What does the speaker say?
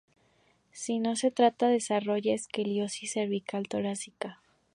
Si no se trata se desarrolla escoliosis cervical y torácica.